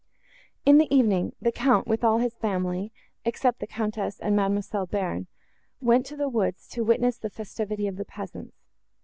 In the evening, the Count, with all his family, except the Countess and Mademoiselle Bearn, went to the woods to witness the festivity of the peasants.